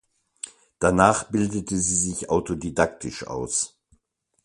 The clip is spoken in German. Danach bildete sie sich autodidaktisch aus.